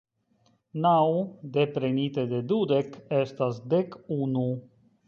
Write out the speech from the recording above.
Naŭ deprenite de dudek estas dek unu.